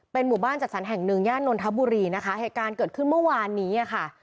หมู่บ้านจัดสรรแห่งหนึ่งย่านนทบุรีนะคะเหตุการณ์เกิดขึ้นเมื่อวานนี้อ่ะค่ะ